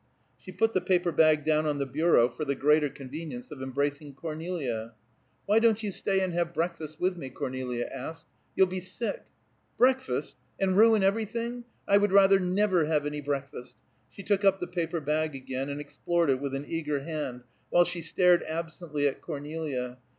She put the paper bag down on the bureau for the greater convenience of embracing Cornelia. "Why don't you stay and have breakfast with me?" Cornelia asked. "You'll be sick." "Breakfast? And ruin everything! I would rather never have any breakfast!" She took up the paper bag again, and explored it with an eager hand, while she stared absently at Cornelia.